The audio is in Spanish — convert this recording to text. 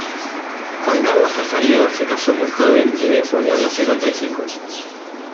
Juan Carlos Casariego se casó muy joven, y de esa unión nacieron tres hijos.